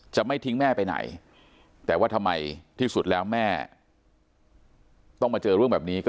จะไม่ทิ้งแม่ไปไหนแต่ว่าทำไมที่สุดแล้วแม่ต้องมาเจอเรื่องแบบนี้